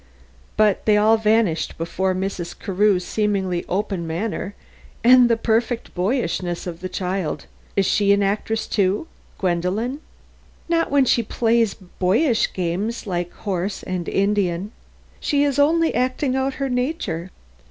"But they all vanished before Mrs. Carew's seemingly open manner and the perfect boyishness of the child. Is she an actress too Gwendolen?" "Not when she plays horse and Indian and other boyish games. She is only acting out her nature.